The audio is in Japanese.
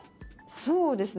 そうですね。